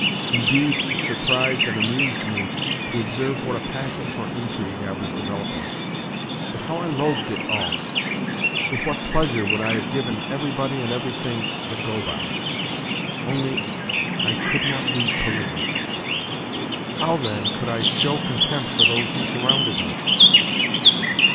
Indeed, it surprised and amused me to observe what a passion for intrigue I was developing. But how I loathed it all! With what pleasure would I have given everybody and everything the go by! Only—I could not leave Polina. How, then, could I show contempt for those who surrounded her?